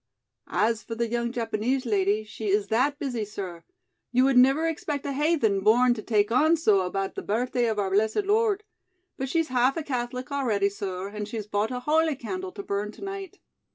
"As for the young Japanese lady, she is that busy, sir. You would niver expect a haythen born to take on so about the birthday of our blessed Lord. But she's half a Catholic already, sir, and she's bought a holy candle to burn to night."